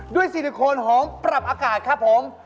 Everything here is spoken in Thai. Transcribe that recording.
ซิลิโคนหอมปรับอากาศครับผม